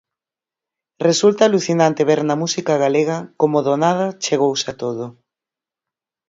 Resulta alucinante ver na música galega como do nada chegouse a todo.